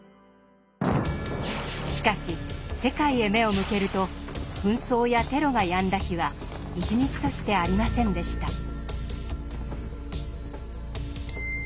しかし世界へ目を向けると紛争やテロがやんだ日は一日としてありませんでした。